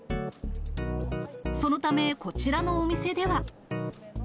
そのため、こちらのお店では。